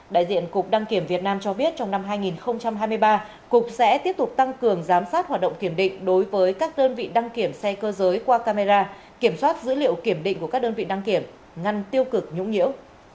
đại diện cục đăng kiểm việt nam cho biết trong năm hai nghìn hai mươi ba cục sẽ tiếp tục tăng cường giám sát hoạt động kiểm định đối với các đơn vị đăng kiểm xe cơ giới qua camera kiểm soát dữ liệu kiểm định của các đơn vị đăng kiểm ngăn tiêu cực nhũng nhiễu